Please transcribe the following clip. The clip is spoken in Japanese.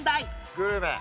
グルメ。